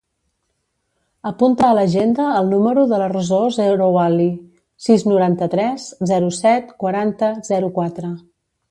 Apunta a l'agenda el número de la Rosó Zerouali: sis, noranta-tres, zero, set, quaranta, zero, quatre.